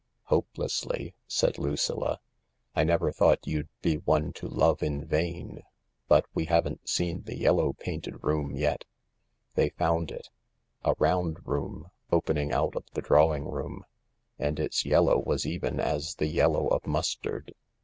" Hopelessly," said Lucilla. " I never thought you'd be one to love in vain. But we haven't seen the yellow painted room yet." They found it — a round room, opening out of the drawing room — and its yellow was even as the yellow of mustard.